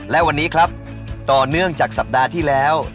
และวันนี้ครับต่อเนื่องจากสัปดาห์ที่แล้ว